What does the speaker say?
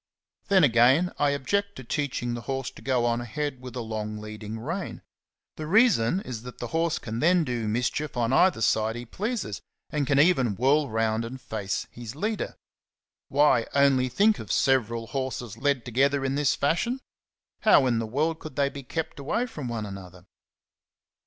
Then again I object to teaching the horse to go on ahead with a long leading rein. The reason is that the horse can then do mischief on either side he pleases, and can even whirl round and face his leader. Why, only think of several horses led together in this fashion, — how in the world could they be kept away from one another?